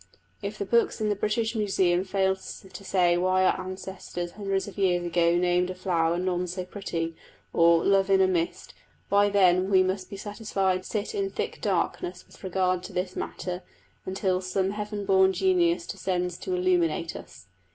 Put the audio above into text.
If the books in the British Museum fail to say why our ancestors hundreds of years ago named a flower None so pretty or Love in a mist, why then we must be satisfied to sit in thick darkness with regard to this matter until some heaven born genius descends to illuminate us!